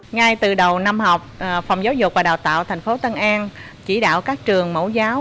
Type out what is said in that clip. ngay từ đầu năm học phòng giáo dục và đào tạo thành phố tân an chỉ đạo các trường mẫu giáo